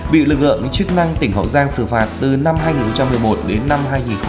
bị lực lượng chức năng tỉnh hậu giang xử phạt từ năm hai nghìn một mươi một đến năm hai nghìn tám